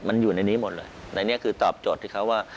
มันอยู่ในนี้หมดเลยในนี้คือตอบโจทย์ที่เขาว่า